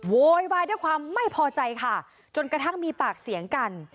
โวยวายด้วยความไม่พอใจค่ะจนกระทั่งมีปากเสียงกัน